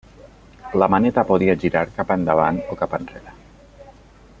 La maneta podia girar cap endavant o cap enrere.